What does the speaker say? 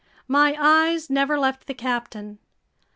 My eyes never left the captain.